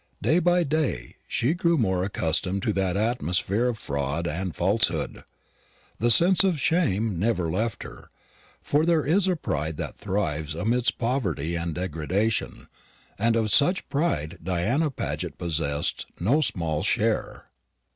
Day by day she grew more accustomed to that atmosphere of fraud and falsehood. The sense of shame never left her; for there is a pride that thrives amidst poverty and degradation, and of such pride Diana Paget possessed no small share.